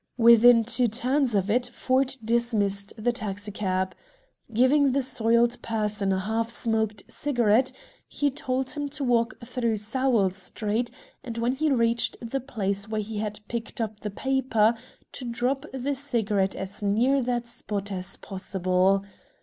Within two turns of it Ford dismissed the taxicab. Giving the soiled person a half smoked cigarette, he told him to walk through Sowell Street, and when he reached the place where he had picked up the paper, to drop the cigarette as near that spot as possible.